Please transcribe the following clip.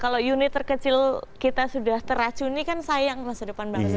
kalau unit terkecil kita sudah teracuni kan sayang masa depan bangsa